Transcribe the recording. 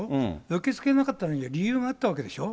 受け付けなかったのには理由があったわけでしょ。